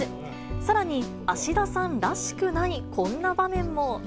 さらに、芦田さんらしくない、こんな場面も。